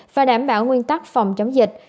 và đảm bảo nguyên tắc phòng chống dịch